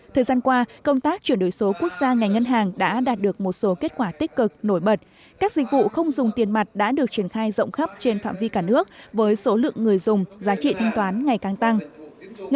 thời gian qua công tác chuyển đổi số quốc gia ngành ngân hàng đã đạt được một số kết quả tích cực nổi bật các dịch vụ không dùng tiền mặt đã được triển khai rộng khắp trên phạm vi cả nước với số lượng người dùng giá trị thanh toán ngày càng tăng